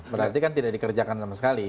berarti kan tidak dikerjakan sama sekali